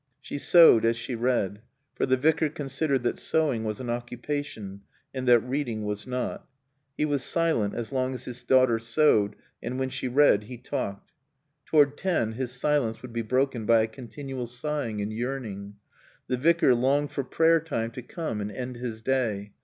She sewed as she read. For the Vicar considered that sewing was an occupation and that reading was not. He was silent as long as his daughter sewed and when she read he talked. Toward ten his silence would be broken by a continual sighing and yearning. The Vicar longed for prayer time to come and end his day.